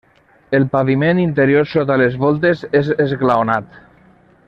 El paviment interior sota les voltes és esglaonat.